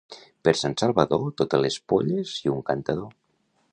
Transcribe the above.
Per Sant Salvador, totes les polles i un cantador.